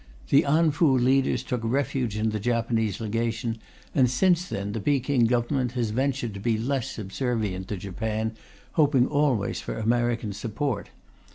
The An Fu leaders took refuge in the Japanese Legation, and since then the Peking Government has ventured to be less subservient to Japan, hoping always for American support.